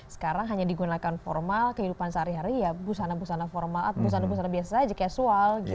sekarang hanya digunakan formal kehidupan sehari hari ya busana busana formal atau busana busana biasa aja casual gitu